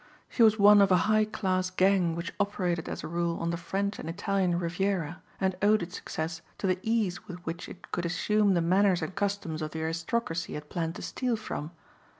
She was one of a high class gang which operated as a rule on the French and Italian Riviera, and owed its success to the ease with which it could assume the manners and customs of the aristocracy it planned to steal from.